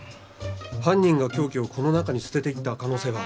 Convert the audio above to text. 犯人が凶器をこの中に捨てていった可能性が。